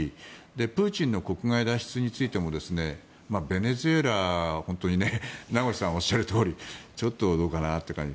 プーチンの国外脱出についてもベネズエラは本当に名越さんがおっしゃるとおりちょっとどうかなという感じ。